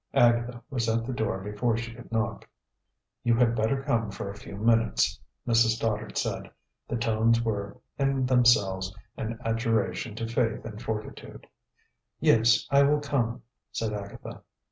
Agatha was at the door before she could knock. "You had better come for a few minutes," Mrs. Stoddard said. The tones were, in themselves, an adjuration to faith and fortitude. "Yes, I will come," said Agatha.